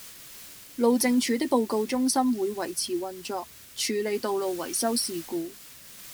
路政署的報告中心會維持運作，處理道路維修事故